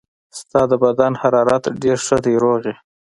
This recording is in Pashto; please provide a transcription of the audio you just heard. ستا د بدن حرارت ډېر ښه دی، روغ یې.